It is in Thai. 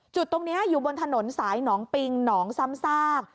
จุดตรงนี้อยู่บนถนนสายหนองปิงหนองซ้ำซาก